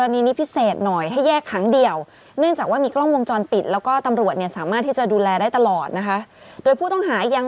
ตั้งแต่วันนี้๑๙ผมเพิ่งจะได้อยู่กับแฟนผม